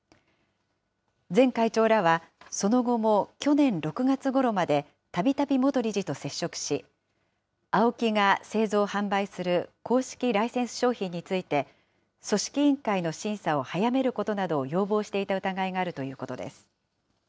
前会長らは、その後も去年６月ごろまで、たびたび元理事と接触し、ＡＯＫＩが製造・販売する公式ライセンス商品について、組織委員会の審査を早めることなどを要望していた疑いがあるということです。